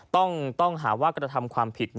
ต้องหาว่ากระทำความผิด